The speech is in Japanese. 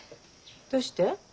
どうして？